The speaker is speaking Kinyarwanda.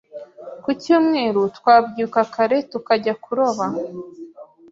Ku cyumweru, twabyuka kare tukajya kuroba.